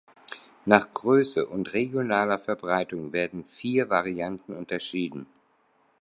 Nach Größe und regionaler Verbreitung werden vier Varianten unterschieden.